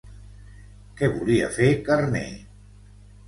Què volia fer Carner?